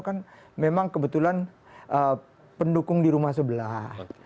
kan memang kebetulan pendukung di rumah sebelah